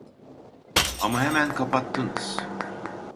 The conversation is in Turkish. Ama hemen kapattınız